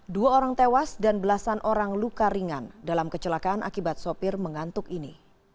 dua orang tewas dan belasan orang luka ringan dalam kecelakaan akibat sopir mengantuk ini